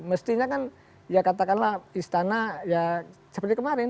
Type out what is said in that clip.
mestinya kan ya katakanlah istana ya seperti kemarin